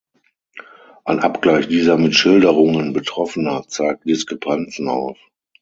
Ein Abgleich dieser mit Schilderungen Betroffener zeigt Diskrepanzen auf.